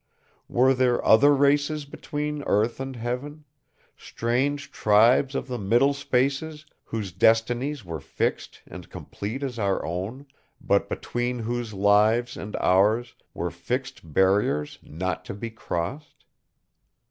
Were there other races between earth and heaven; strange tribes of the middle spaces whose destinies were fixed and complete as our own, but between whose lives and ours were fixed barriers not to be crossed?